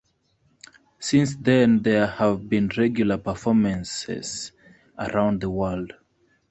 Since then there have been regular performances around the world.